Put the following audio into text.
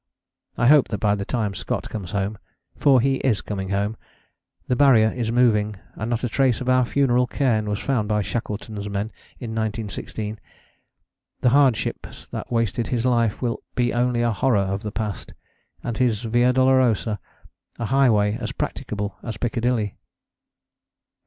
I hope that by the time Scott comes home for he is coming home: the Barrier is moving, and not a trace of our funeral cairn was found by Shackleton's men in 1916 the hardships that wasted his life will be only a horror of the past, and his via dolorosa a highway as practicable as Piccadilly.